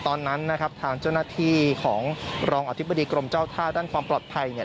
ตอนนั้นนะครับทางเจ้าหน้าที่ของรองอธิบดีกรมเจ้าท่าด้านความปลอดภัยเนี่ย